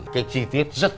cái chi tiết rất hay